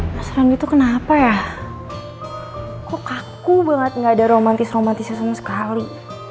mas ranggit kenapa ya kok kaku banget nggak ada romantis romantisnya sekali